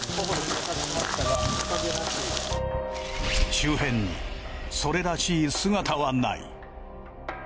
周辺にそれらしい姿はない。